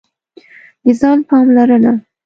د ځان پاملرنه: